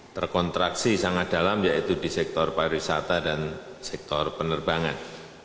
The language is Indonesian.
terkontraksi sangat dalam yaitu di sektor pariwisata dan sektor penerbangan